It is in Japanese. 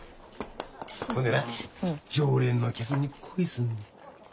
ほんでな常連のお客に恋すんねん。